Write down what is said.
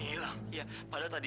maafkan bapak nak